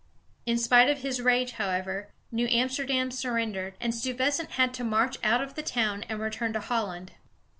In spite of his rage, however, New Amsterdam surrendered, and Stuyvesant had to march out of the town and return to Holland.